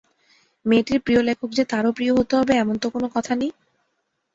মেয়েটির প্রিয় লেখক যে তারও প্রিয় হতে হবে এমন তো কথা নেই।